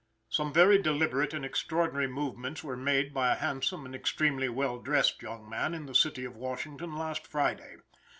Some very deliberate and extraordinary movements were made by a handsome and extremely well dressed young man in the city of Washington last Friday.